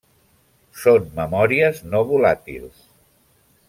Són memòries no volàtils.